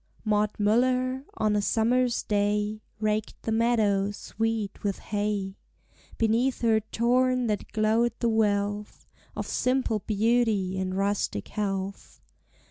Maud Muller, on a summer's day, Raked the meadow sweet with hay. Beneath her torn hat glowed the wealth Of simple beauty and rustic health.